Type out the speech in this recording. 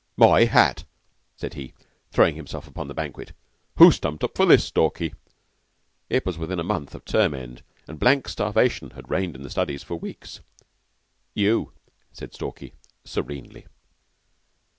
"My hat!" said he, throwing himself upon the banquet. "Who stumped up for this, Stalky?" It was within a month of term end, and blank starvation had reigned in the studies for weeks. "You," said Stalky, serenely.